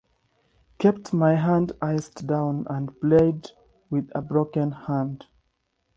Kept my hand iced down and played with a broken hand.